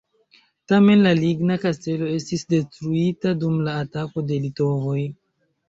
Tamen la ligna kastelo estis detruita dum la atako de litovoj.